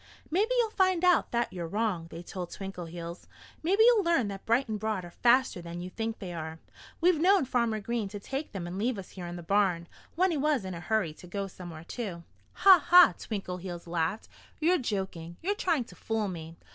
"Maybe you'll find out that you're wrong," they told Twinkleheels. "Maybe you'll learn that Bright and Broad are faster than you think they are. We've known Farmer Green to take them and leave us here in the barn when he was in a hurry to go somewhere, too." "Ha! ha!" Twinkleheels laughed. "You're joking. You're trying to fool me."